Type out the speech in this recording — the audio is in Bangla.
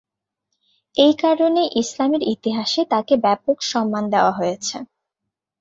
এই কারণে ইসলামের ইতিহাসে তাকে ব্যাপক সম্মান দেওয়া হয়েছে।